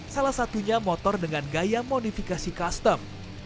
salah satunya motor dengan gaya modifikasi custom